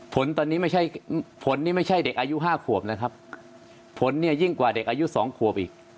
ผลตอนนี้ไม่ใช่ผลนี่ไม่ใช่เด็กอายุห้าขวบนะครับผลเนี่ยยิ่งกว่าเด็กอายุสองขวบอีก